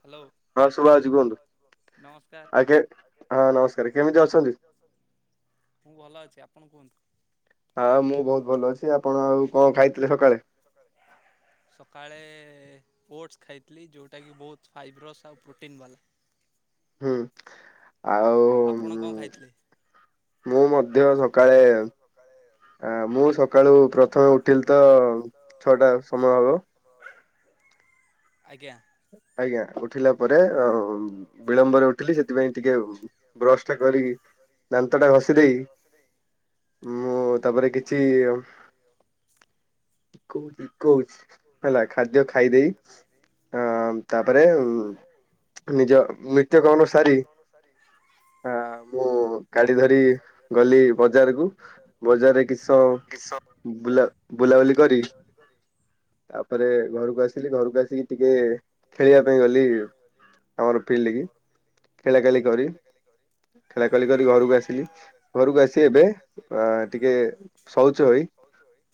Hello. ହଁ ଶୁଭାଯାଉଛି କୁହ ନମସ୍କାର ଆଜ୍ଞା ହଁ ନମସ୍କାର କେମିତି ଅଛନ୍ତି? ମୁଁ ଭଲ ଅଛି ଆପଣ କୁହନ୍ତୁ? ହଁ ମୁଁ ବହୁତ ଭଲ ଅଛି ଆପଣ ଆଉ କଣ ଖାଇଥିଲେ ସକାଳେ? ସକାଳେ ସକାଳେ ଓଟସ୍ ଖାଇଥିଲି ଯୋଉଟା କିି ବହୁତ ଫାଇବ୍ରସ୍ ଆଉ ପ୍ରୋଟିନ୍ ବାଲା। ହୁଁ। ଆଉ। ଆପଣ କଣ ଖାଇଥିଲେ? ମୁଁ ମଧ୍ୟ ସକାଳେ ଆ ମୁଁ ସକାଳୁ ପ୍ରଥମେ ଉଠିଲି ତ ଛଅଟା ସମୟ ହବ। ଆଜ୍ଞା। ଆଜ୍ଞା ଉ ଉଠିଲା ପରେ ଆଉ ବିଳମ୍ବରେ ଉଠିଲି ସେଥିପାଇଁ ଟିକେ ବ୍ରସ୍ ଟା କରିକି ଦାନ୍ତଟା ଘଷି ଦେଇ ମୁଁ ତାପରେ କିଛି କହୁଛି କହୁଛି ହେଲା ଖାଦ୍ୟ ଖାଇଦେଇ ହଁ ତାପରେ ନିଜ ନିତ୍ୟକର୍ମ ସାରି ଆ ମୁଁ ଗାଡି ଧରି ଗଲି ବଜାରକୁ ବଜାରେ କିଛି ସମୟ ବୁଲା ବୁଲାବୁଲି କରି ତାପରେ ଘରୁକୁ ଆସିଲି ଘରୁକୁ ଆସିକି ଟିକେ ଖେଳିବା ପାଇଁ ଗଲି ଆମର ଫିଲ୍ଡକି। ଖେଳା ଖେଳି କରି ଖେଳା ଖେଳି କରି ଘରକୁ ଆସିଲି। ଘରୁକୁ ଆସି ଏବେ ଆ ଟିକେ ଶୌଚ ହୋଇ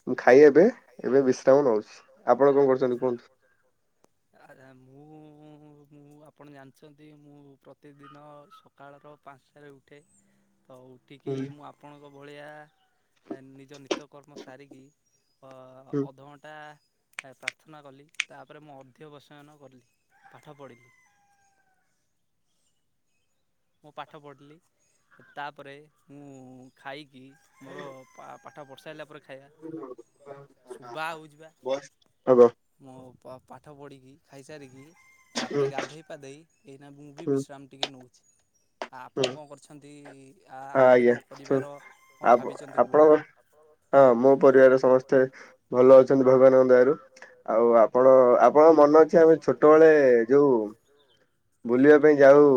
ମୁଁ ଖାଇ ଏବେ ଏବେ ବିଶ୍ରାମ ନଉଛି ଆପଣ କଣ କରୁଛନ୍ତି କୁହନ୍ତୁ? ଆ ମୁଁ ମୁଁ ଆପଣ ଜାଣିଛନ୍ତି ମୁଁ ପ୍ରତିଦିନ ସ ସକାଳର ପାଞ୍ଚଟାରେ ଉଠେ ତ ଉ ଉଠିକି ମୁଁ ଆପଣଙ୍କ ଭଳିଆ ନିଜ ନିତ୍ୟକର୍ମ ସାରିକି ଅ ଅଧଘଣ୍ଟା ପ୍ରାର୍ଥନା କଲି ତାପରେ ମୁଁ ଅ ଦ୍ୱିତୀୟ ପ୍ରୋତ୍ସାହନ କଲି ପାଠ ପଢ଼ିଲି। ମୁଁ ପାଠ ପଢ଼ିଲି ତାପରେ ମୁଁ ଖାଇକି ମୋର ପା ପାଠ ପଢି ସାରିଲା ପରେ ଖାଇବା ଶୁଭା ଯାଉଛିବା। ମୋ ପା ପାଠ ପଢ଼ିକି ଖାଇସାରିକି ତାପରେ ଗାଧେଇ ପାଧେଇ ଏଇନା ମୁଁ ବି ବିଶ୍ରାମ ଟିକେ ନଉଛି। ଆପଣ କଣ କରୁଛନ୍ତି ଆ ଆପରେ କଣ କରିବାର କଣ ଭାବିଛନ୍ତି କୁହନ୍ତୁ? ହଁ ମୋ ପରିବାର ସମସ୍ତେ ଭଲ ଅଛନ୍ତି ଭଗବାନଙ୍କ ଦୟାରୁ। ଆଉ ଆପଣ ଆପଣଙ୍କ ମନ ଅଛି ଆମେ ଛୋଟବେଳେ ଯୋଉ ବୁଲିବା ପାଇଁ ଯାଉ।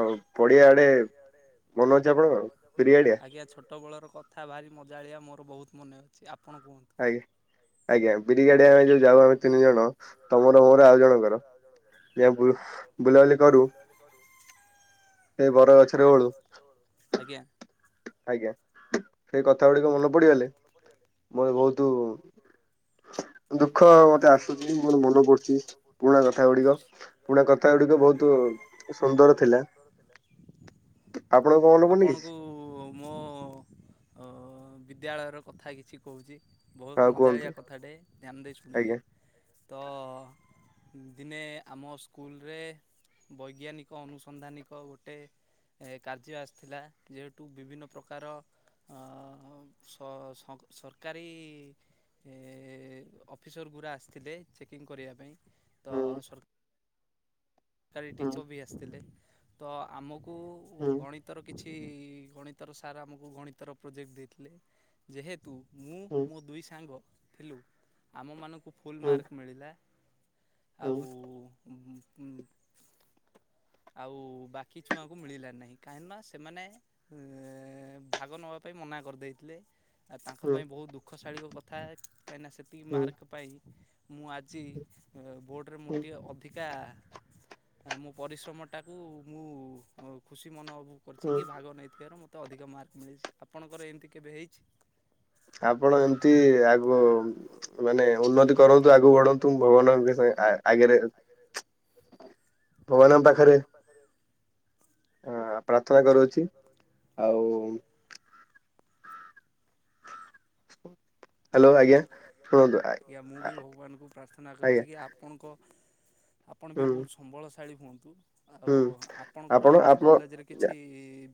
ଆଉ ପଡିଆ ଆଡେ ମନ ଅଛି ଆପଣଙ୍କର ବିରି ଗାଡିଆ? ଆଜ୍ଞା ଛୋଟବେଳର କଥା ଭାରି ମଜାଳିଆ ମୋର ବହୁତ ମନେ ଅଛି ଆପଣ କୁହନ୍ତୁ? ଆଜ୍ଞା। ଆଜ୍ଞା ବିରି ଗାଡିଆକୁ ଆମେ ଯୋଉ ଯାଉ ଆମେ ତିନି ଜଣ ତମର ମୋର ଆଉ ଜଣଙ୍କର ଯାଇଁ ବୁ ବୁଲାବୁଲି କରୁ? [unintelligible] ସେ ବର ଗଛରେ ବଳୁ ଆଜ୍ଞା। ସେଇ କଥା ଗୁଡାକ ମନେ ପଡିଗଲେ ମୋର ବହୁତ- ଦୁଃଖ ମତେ ଆସୁଛି। ମୋର ମନେ ପଡୁଛି ପୁରୁଣା କଥା ଗୁଡିକ ପୁରୁଣା କଥା- କଥା ଗୁଡିକ ବହୁତ ସୁନ୍ଦର ଥିଲା। ଆପଣଙ୍କୁ- ମୋ ବିଦ୍ୟାଳୟର କଥା କିଛି କହୁଛି। ବହୁତ ମଜାଳିଆ କଥାଟେ ଧ୍ୟାନ ଦେଇ ଶୁଣିବେ- ତ ଦିନେ ଆମ ସ୍କୁଲରେ- ବୈଜ୍ଞାନିକ ଅନୁସନ୍ଧାନିକ ଗୋଟେ- ଏ କାର୍ଯ୍ୟ ଆସିଥିଲା। ଯେହେତୁ ବିଭିନ୍ନ ପ୍ରକାର- ଅ ସ ସଙ୍କ ସରକାରୀ ଏ- ଅଫିସର ଗୁରା ଆସିଥିଲେ ଚେକିଂ କରିବା ପାଇଁ ତ ସର- ସରକାରୀ ଟିଚର୍ ବି ଆସିଥିଲେ। ତ ଆମକୁ ଗଣିତ- ଗଣିତର କିଛି ଗଣିତର ସାର୍ ଆମକୁ ଗଣିତର ପ୍ରୋଜେକ୍ଟ ଦେଇଥିଲେ। ଯେହେତୁ ମୁଁ ମୋ ଦୁଇ ସାଙ୍ଗ ଥିଲୁ- ଆମ ମାନଙ୍କୁ ଫୁଲ୍ ମାର୍କ ମିଳିଲା। ଆଉ ମୁଁ - ଆଉ ବାକି ଛୁଆଙ୍କୁ ମିଳିଲା ନାହିଁ। କାହିଁକି ନା ସେମାନେ- ଏ ଭାଗ ନବା ପାଇଁ ମନା କରିଦେଇଥିଲେ। ଆ ତାଙ୍କ ପାଇଁ ବହୁତ ଦୁଃଖ ଶାଳୀ କଥା କାହିଁକିନା ସେତିକି ମାର୍କ ପାଇଁ- ମୁଁ ଆଜି ବୋର୍ଡ଼ରେ ମୋର ଟିକଏ ଅଧିକା ମୁଁ ପରିଶ୍ରମ - ଶ୍ରମଟାକୁ ମୁଁ ଖୁସି ମନୋ କରିଛି କି ଭାଗ ନେଇଥିବାରୁ ମୋତେ ଅଧିକ ମାର୍କ ମିଳିଛି। ଆପଣଙ୍କର ଏମିତି କେବେ ହେଇଛି? [inaudible] ଆପଣ ଏମିତି ଆଗ ମାନେ ଉନ୍ନତି କରନ୍ତୁ ଆଗକୁ ବଢନ୍ତୁ ମୁଁ ଭଗବାନକୁ ଏତିକି କହେ ଆ - ଆଗରେ- ହ [unintelligible] ବଣ ପାଖରେ - ପ୍ରାର୍ଥନା କରୁଅଛି। ଆଉ- ଆଜ୍ଞା। ମୁଁ ବି ଭଗବାନଙ୍କୁ ପ୍ରାର୍ଥନା କରୁଛି କି ଆପଣଙ୍କ- ଆପଣ ବି ବହୁତ ସମ୍ବଳଶାଳୀ ହୁଅନ୍ତୁ। ଆଉ ଆପଣଙ୍କର ଏମିତି କଲେଜରେ କିଛି-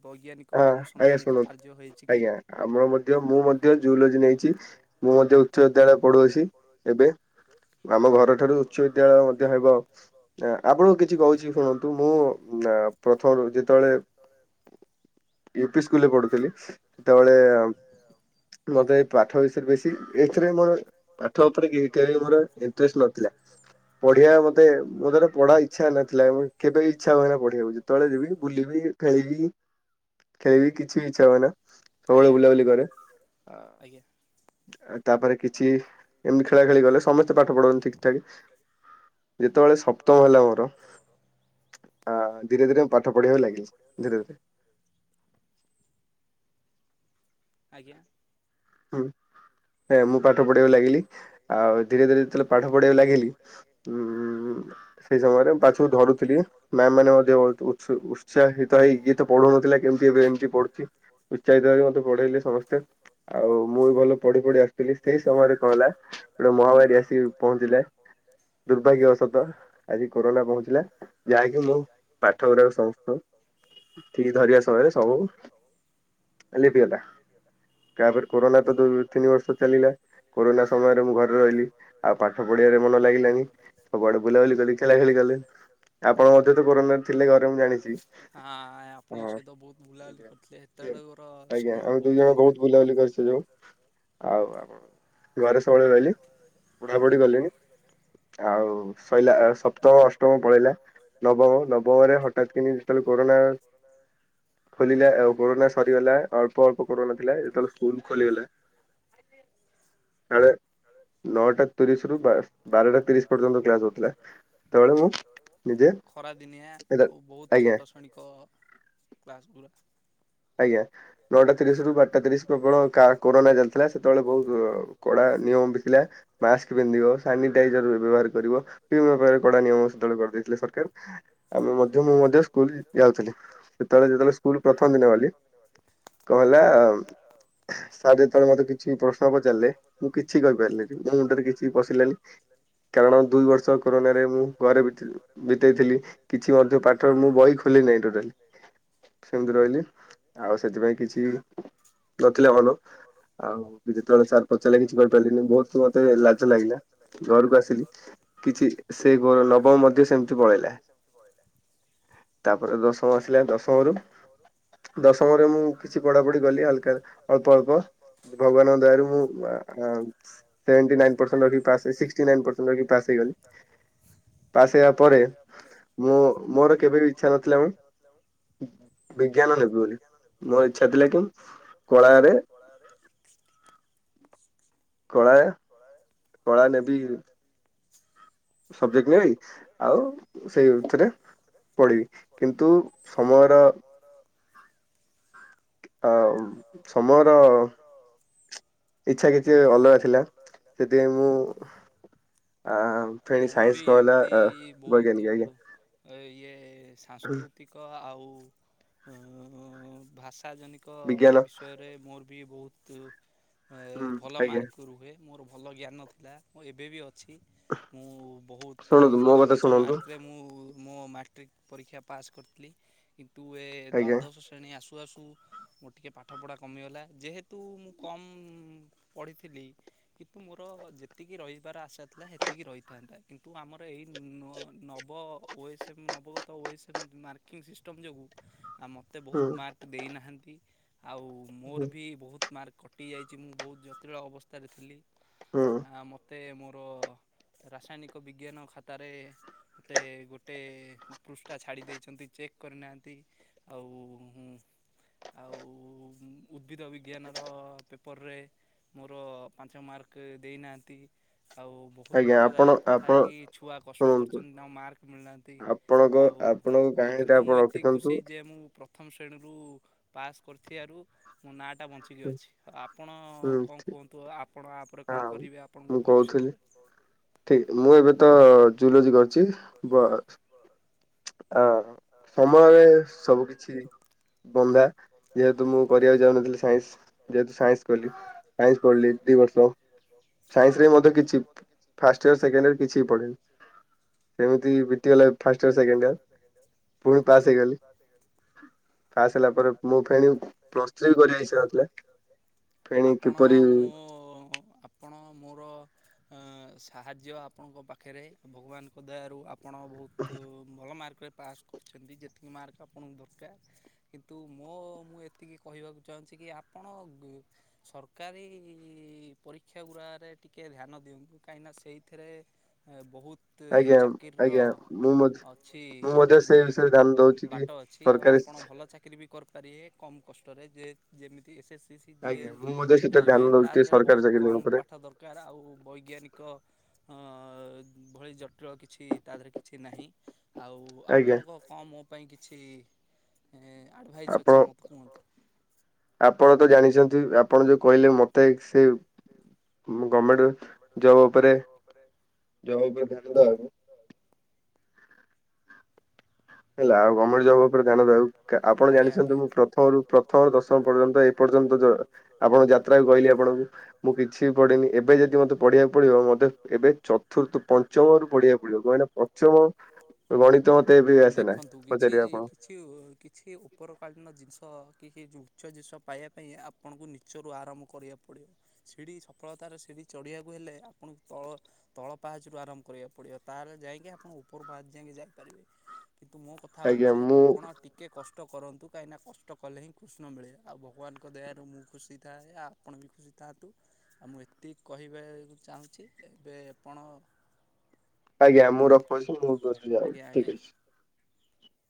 ବୈଜ୍ଞାନିକ ଅନୁସନ୍ଧାନିକ କାର୍ଯ୍ୟ ହେଇଛି କି? ଆମର ମଧ୍ୟ ମୁଁ ମଧ୍ୟ ଜୁଲୋଜି ନେଇଛି। ମୁଁ ମଧ୍ୟ- ଉଚ୍ଚ ବିଦ୍ୟାଳୟ ପଢୁଅଛି ଏବେ। ଆମ ଘର ଠାରୁ ଉଚ୍ଚ ବିଦ୍ୟାଳୟ ମଧ୍ୟ ହେବ- ଆପଣଙ୍କୁ କିଛି କହୁଛି ଶୁଣନ୍ତୁ ମୁଁ ପ୍ରଥମରୁ ଯେତେବେଳେ- ୟୁ ପି ସ୍କୁଲରେ ପଢୁଥିଲି ସେତେବେଳେ- ମତେ ଏ ପାଠ ବିଷୟରେ ବେଶୀ, ଏଥିରେ ମୋର- ପାଠ ଉପରେ କେରୀଏର ମୋର ଏତେ ଇଣ୍ଟରେଷ୍ଟ ନଥିଲା ପଢିବା ମତେ ମୋର ପଢାଇ- ଇଚ୍ଛା ନଥିଲା ମୁ କେବେ ବି ଇଚ୍ଛା ହୁଏ ନା ପଢ଼ୀବାକୁ ଯେତେବେଳେ ଯିବି ବୁଲିବି ଖେଳିବି- ଖେଳବି କିଛି ବି ଇଚ୍ଛା ହୁଏନା। ସବୁବେଳେ ବୁଲାବୁଲି କରେ। ଆ ତାପରେ କିଛି ଏମିତି ଖେଳା ଖେଳି କଲେ ସମସ୍ତେ ପାଠ ପଢନ୍ତି ଠିକ ଠାକ- ଯେତେବେଳେ ସପ୍ତମ ହେଲା ମୋର- ଆଁ ଧୀରେ ଧୀରେ ମୁଁ ପାଠ ପଢିବା କୁ ଲାଗିଲି ଧୀରେ ଧୀରେ। ଆଜ୍ଞା। ହୁଁ ହେଁ ମୁଁ ପାଠ ପଢିବାକୁ ଲାଗିଲି। ଆଉ ଧୀରେ ଧୀରେ ଯେତେବେଳେ ପାଠ ପଢ଼ଢ଼ିବାକୁ ଲାଗିଲି- ଉଁ -ଉଁ -ଉଁ - ସେଇ ସମୟରେ ପାଠକୁ ଧରୁଥିଲି ମ୍ୟାମ ମାନେ ମଧ୍ୟ ଉତ୍ସା ଉତ୍ସାହିତ- ତ ଏଇ ଇଏତ ପଢୁନଥିଲା କେମିତି ଏବେ ଏମିତି ପଢୁଛି। ଉତ୍ସାହିତ ମତେ ପଢେଇଲେ ସମସ୍ତେ ଆଉ ମୁଁ ବି ଭଲ ପଢ଼ି ପଢ଼ି ଆସ କିନ୍ତୁ ସେଇ ସମୟରେ କଣ ହେଲା ଗୋଟେ ମହାମାରୀ ଆସି ପହଞ୍ଚିଲା ଦୁଃର୍ଭାଗ୍ୟ ବଶତଃ। ଆଜି କୋରୋନା ପହଞ୍ଚିଲା ଯାହାକି ମୁଁ ପାଠ ଗୁଡାକ ସମସ୍ତ ଠିକ ଧରିବା ସମୟରେ ସବୁ ଲିଭିଗଲା। ଲିଭିଗଲା। ତାପରେ କରୋନା ତ ଦୁ ତିନି ବର୍ଷ ଚାଲିଲା। କୋରୋନା ସମୟରେ ମୁଁ ଘରେ ରହିଲି ଆଉ ପାଠ ପଢିବାରେ ମନ ଲାଗିଲାନି। ସବୁଆଡେ ବୁଲାବୁଲି କଲି ଖେଳାଖେଳି କଲି। ଆପଣ ମଧ୍ୟ ତ କୋରୋନାରେ ଥିଲେ ଘରେ ମୁଁ ଜାଣିଛି ହଁ। ଆଜ୍ଞା ଆମେ ଦୁଇ ଜଣ ବହୁତ ବୁଲାବୁଲି କରିଥିଲୁ ଆଉ ଆ ଘରେ ସବୁବେଳେ ରହିଲି ପଢ଼ାପଢ଼ି କଲିନି। ଆଉ ସଇଲା ସପ୍ତମ ଅଷ୍ଟମ ପଳେଇଲା। ନବମ ନବମରେ ହଠାତ୍ କିନି ଯେତେବେଳେ କରୋନା ଖୋଲିଲା ଆଉ କୋରନା ସରିଗଲା ଅଳ୍ପ ଅଳ୍ପ କରୋନା ଥିଲା। ସେତେବେଳ ସ୍କୁଲ ଖୋଲିଗଲା କାଳେ ନଅଟା ତିରିଶ ରୁ ବା ବାରଟା ତିରିଶ ପର୍ଯ୍ୟନ୍ତ କ୍ଲାସ ହଉଥିଲା ସେତବେଳେ ମୁଁ ଖରା ଦିନିଆ ଆଉ ବହୁତ ଛୋଟ ଶ୍ରେଣୀଙ୍କ କ୍ଲାସ ଗୁଡ଼ା ଆଜ୍ଞା। ନଅଟା ତିରିଶ ରୁ ବାରଟା ତିରିଶ ପ୍ରବଳ କା କରୋନା ଚାଲିଥିଲା ସେତେବେଳେ ବହୁତ କଡା ନିୟମ ବି ଥିଲା। ମାସ୍କ ପିନ୍ଧିବ ସାନିଟାଇଜର ବ୍ୟବହାର କରିବ ବିଭିନ୍ନ ପ୍ରକାର କଡା ନିୟମ ସେତେବେଳ କରିଦେଇଥିଲେ ସରକାର। ଆମେ ମଧ୍ୟ ମୁଁ ମଧ୍ୟ ସ୍କୁଲ ଯାଉଥିଲି ସେତେବେଳେ ଯେତେବେଳେ ସ୍କୁଲ ପ୍ରଥମ ଦିନ ଗଲି ପ୍ରଥମ ଦିନ ଗଲି କଣ ହେଲା ସାର୍ ଯେତେବେଳେ ମତେ କିଛି ପ୍ରଶ୍ନ ପଚାରିଲେ। ମୁଁ କିଛି କହିପାରିଲିନି ମୋ ମୁଣ୍ଡରେ କିଛି ପଶିଲାନି। କାରଣ ଦୁଇ ବର୍ଷ କରୋନାରେ ମୁଁ ଘରେ ବି ଥିଲି। ବିତେଇଥିଲି କିଛି ମଧ୍ୟ ପାଠ ମୁଁ ବହି ଖୋଲି ନାହିଁ ଟୋଟାଲି ସେମିତି ରହିଲି। ଆଉ ସେଥିପାଇଁ କିଛି ନଥିଲା ଭଲ। ଆଉ ଯେତେବେଳେ ସାର୍ ପଚାରିଲେ କିଛି କହି କରିପାରିଲିନି ବହୁତ ମତେ ଲାଜ ଲାଗିଲା। ଘରକୁ ଆସିଲି କିଛି ସେ ଘୋର ନବମ ମଧ୍ୟ ସେମିତି ପଳେଇଲା। ତାପରେ ଦଶମ ଆସିଲା ଦଶମରୁ ଘରୁ ଦଶମରେ ମୁଁ କିଛି ପଢ଼ାପଢ଼ି କଲି ହାଲକା ଅଳ୍ପ ଅଳ୍ପ। ଭଗବାନଙ୍କ ଦାୟାରୁ ମୁଁ ଆ ଆଉଚ୍ ସେଭେଣ୍ଟି ନାଇନ ପର୍ସେଣ୍ଟ ରଖି ପାସ୍ ସିକ୍ଟୀ ନାଇନ୍ ପର୍ସେଣ୍ଟ ରଖି ପାସ ହେଇଗଲି। ପାସ୍ ହେଇଗଲି ପାସ୍ ହେଇବା ପରେ ମୁଁ ମୋର କେବେ ବି ଇଚ୍ଛା ନଥିଲା ମୁଁ ବିଜ୍ଞାନ ନେବି ବୋଲି ମୋର ଇଚ୍ଛା ଥିଲା କି କଳାରେ କଳାୟ କଳା ନେବି ସବଜେକ୍ଟ ନେବି ଆଉ ସେଇଥିରେ ପଡ଼ିବି କିନ୍ତୁ ସମୟର ହଁ ଉ ସମୟର ଇଚ୍ଛା କିଛି ଅଲଗା ଥିଲା ସେଥିପାଇଁ ମୁଁ ଆ ମୋର ବି ଏମିତି ବହୁତୁ ଅ ଇଏ ସାଂସ୍କୃତିକ ଆଉ ଉଁ ଭାଷା ଜନି ଙ୍କ ବିଷୟରେ ମୋର ବି ବହୁତ ଏ ଭଲ ମାର୍କ ରୁହେ। ମୋର ଭଲ ଜ୍ଞାନ ଥିଲା ମୋ ଏବେ ବି ଅଛି। ମୁଁ ବହୁତ ଭଲ ଉଚ୍ଚ ମାର୍କରେ ମୁଁ ମୋ ମାଟ୍ରିକ ପରୀକ୍ଷା ପାସ୍ କରିଥିଲି କିନ୍ତୁ ଏ ଦ୍ଵାଦଶ ଶ୍ରେଣୀ ଆସୁ ଆସୁ ମୋର ଟିକେ ପାଠପଢ଼ା କମିଗଲା ଯେହେତୁ ମୁଁ କମ୍ ପଢ଼ିଥିଲି କିନ୍ତୁ ମୋର ଯେତିକି ରହିବାର ଆଶା ଥିଲା ସେତିକି ରହି ଥାନ୍ତା କିନ୍ତୁ ଆମର ଏଇ ନ ନବ ଓ ଏସ୍ ଏମ୍ ନବଗତ O S M marking system ଯୋଗୁଁ ଆ ମୋତେ ବୋହୁତ ମାର୍କ ଦେଇନାହାନ୍ତି ଆଉ ମୋର ବି ବୋହୁତ ମାର୍କ କଟି ଯାଇଚି ମୁଁ ବୋହୁତ ଜଟିଳ ଅବସ୍ଥାରେ ଥିଲି। ହୁଁ। ଆ ମୋତେ ମୋର ରାସାୟନିକ ବିଜ୍ଞାନ ଖାତାରେ ମୋତେ ଗୋଟେ ପୃଷ୍ଠା ଛାଡି ଦେଇଚନ୍ତି ଚେକ୍ କରିନାହାନ୍ତି। ଆଉ ମୁଁ ଆଉ ଉଦ୍ଭିଦ ବିଜ୍ଞାନର ପେପରରେ ମୋର ପାଞ୍ଚ ମାର୍କ ଦେଇନାହାନ୍ତି ଆଉ। ଆଜ୍ଞା। ପ୍ରାୟ କଥାହେଇକି କି ଛୁଆ କଷ୍ଟ କରୁଚନ୍ତି ତାଙ୍କ ମାର୍କ ମିଳୁନାହାନ୍ତି ଆଉ ଅ କିନ୍ତୁ ମୁଁ ଏତିକି ଖୁସି ଯେ କି ମୁଁ ପ୍ରଥମ ଶ୍ରେଣୀରୁ ପାସ୍ କରିଥିବାରୁ ମୋ ନା ଏଟା ବଞ୍ଚିକି ଅଛି। ଆପଣ କଣ କୁହନ୍ତୁ ଆପଣ ତାପରେ କଣ କରିବେ ଆପଣଙ୍କ ଭବିଷ୍ୟତରେ। ଠିକ ମୁଁ ଏବେ ତ ଜୁଲୋଜି କରୁଚି ବ ବ୍ ଆହଁ ସମୟରେ ସବୁ କିଛି ବନ୍ଧା ଯେହେତୁ ମୁଁ କରିବାକୁ ଚାହୁଁନଥିଲି ସାଇନ୍ସ ଯେହେତୁ ସାଇନ୍ସ କଲି ସାଇନ୍ସ ପଢ଼ିଲି ଦିଇ ବର୍ଷ। [inaudible] ସାଇନ୍ସରେ ମଧ୍ୟ କିଛି ଫାଷ୍ଟ ଇଅର୍ ସେକେଣ୍ଡ ଇଅର କିଛି ବି ପଢ଼ିନି। ସେମିତି ବିତି ଗଲା first year second first year second ଫୁଣି ପାସ ହେଇଗ ପାସ ହେଇଗଲି। ପାସ୍ ହେଲା ପରେ ମୁଁ ଫେଣି ପ୍ଲସ୍ ଥ୍ରୀ ବି କରିବି ଇଚ୍ଛା ନଥିଲା। ଆପଣ ମୋ ଆପଣ ମୋର ସାହାଯ୍ୟ ଆପଣଙ୍କ ପାଖରେ ଭଗବାନଙ୍କ ଦୟାରୁ ଆପଣ ବୋହୁତୁ ଭଲ ମାର୍କରେ ପାସ୍ କରିଚନ୍ତି ଯେତିକି ମାର୍କ ଆପଣଙ୍କୁ ଦରକାର। କିନ୍ତୁ ମୋ ମୁଁ ଏତିକି କହିବାକୁ ଚାହୁଁଚି କି ଆପଣ ଗ୍ ସରକାରୀ ପରୀକ୍ଷାଗୁଡ଼ାରେ ଟିକେ ଧ୍ୟାନ ଦିଅନ୍ତୁ କାହିଁକିନା ସେଇଥିରେ ଆ ବୋହୁତ ଚାକିରିର ଅଛି ଏଁ ବାଟ ଅଛି ଆଉ ଆପଣ ଭଲ ଚାକିରୀ ବି କରିପାରିବେ କମ୍ କଷ୍ଟରେ ଯେ ଯେମିତି S A C G L railway ତା ଦେହରେ ବୋହୁତ କମ୍ ପାଠ ଦରକାର ଆଉ ବୈଜ୍ଞାନିକ ହଁ ଭଳି ଜଟିଳ କିଛି ତା ଦେହରେ କିଛି ନାହିଁ। ଆଉ ଆପଣଙ୍କ କଣ ମୋ ପାଇଁ କିଛି ଆଡ଼ଭାଇଜ୍ ଅଛି ମୋତେ କୁହନ୍ତୁ? ଆପଣ ତ ଜାଣିଚନ୍ତି ଆପଣ ଯୋଉ କହିଲେ ମତେ ସେ ମୁଁ ଗମେଣ୍ଟରେ ଜବ ଉପରେ ଜବ ଉପରେ ଧ୍ୟାନ ଦବାକୁ। ହେଲା ଆଉ ଗମେଣ୍ଟ ଜବ ଉପରେ ଧ୍ୟାନ ଦଉ ଆପଣ ଜାଣିଛନ୍ତି ମୁଁ ପ୍ରଥମରୁ ପ୍ରଥମରୁ ଦଶମ ପର୍ଯ୍ୟନ୍ତ ଏ ପର୍ଯ୍ୟନ୍ତ ଜ ଆପଣ ଯାତ୍ରା କହିଲି ଆପଣଙ୍କୁ ମୁଁ କିଛି ବି ପଢିନି ଏବେ ଯଦି ମୋତେ ପଢିବାକୁ ପଡିବ ମଧ୍ୟ ଏବେ ଥୁ ତୁ ପଞ୍ଚମରୁ ପଢିବାକୁ ପଡିବ କାହିଁକି ନା ପଞ୍ଚମ ଗଣିତ ମତେ ଏବେ ବି ଆସେନା। ଦେଖନ୍ତୁ କିଛି କିଛି କିଛି ଉପରକାଳୀନ ଜିନିଷ କିଛି ଉଚ୍ଚ ଜିନିଷ ପାଇବା ପାଇଁ ଆ ଆପଣଙ୍କୁ ନିଚରୁ ଆରାମ୍ଭ କରିବାକୁ ପଡ଼ିବ ସିଢ଼ି ସଫଳତାର ସିଢ଼ି ଚଢ଼ିବାକୁ ହେଲେ ଆପଣଙ୍କୁ ତଳ ତଳ ପାହାଚରୁ ଆରମ୍ଭ କରିବାକୁ ପଡିବ। ତାହେଲେ ଯାଇକି ଆପଣ ଉପର ପାହାଚ ଯାକେ ଯାଇପାରିବେ। କିନ୍ତୁ ମୋ କଥା ହୋଉଚି ଆପଣ ଟିକେ କଷ୍ଟ କରନ୍ତୁ କାହିଁକିନା କଷ୍ଟ କଲେ ହିଁ କୃଷ୍ଣ ମିଳେ ଆଉ ଭଗବାନଙ୍କ ଦୟାରୁ ମୁଁ ଖୁସି ଥାଏ ଆଉ ଆପଣ ବି ଖୁସି ଥାଆନ୍ତୁ ଆଉ ମୁଁ ଏତିକି କହିବାକୁ ଚାହୁଁଚି ଏବେ ଆପଣ ଆଜ୍ଞା ମୁଁ ରଖୁଚି ମୁଁ ଦେବି ଯାଉ ଠିକ୍ ଅଛି।